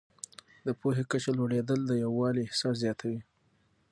د پوهې کچه لوړېدل د یووالي احساس زیاتوي.